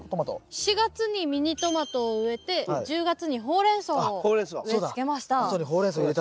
４月にミニトマトを植えて１０月にホウレンソウを植えつけました。